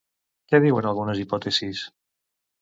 Què diuen algunes hipòtesis?